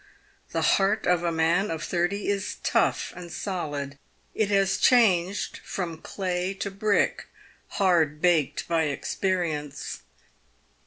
The heart of a man of thirty is tough and solid. It has changed from clay to brick, hard baked by experience.